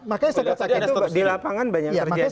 makanya saya katakan itu di lapangan banyak yang terjadi begitu